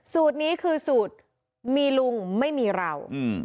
สูตรนี้คือสูตรมีลุงไม่มีเรา